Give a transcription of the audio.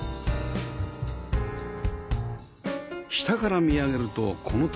下から見上げるとこのとおり